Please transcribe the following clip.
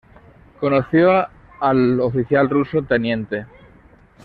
Conoció al oficial ruso, Tte.